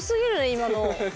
今の。